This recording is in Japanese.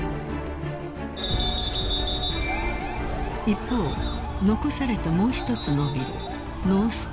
［一方残されたもう一つのビル］